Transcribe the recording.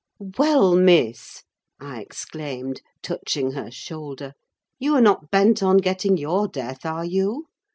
"Well, Miss!" I exclaimed, touching her shoulder; "you are not bent on getting your death, are you?